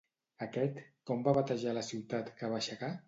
Aquest, com va batejar la ciutat que va aixecar?